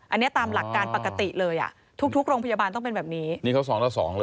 อันนี้ตามหลักการปกติเลยอ่ะทุกทุกโรงพยาบาลต้องเป็นแบบนี้นี่เขาสองละสองเลย